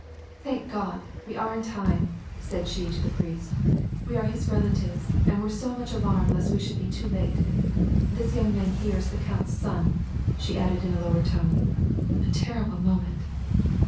"Thank God ! we are in time," said she to the priest, "we are his relatives and were so much alarmed lest we should be too late. This young man here is the count's . son." She added, in a lower tone, — "A terrible moment."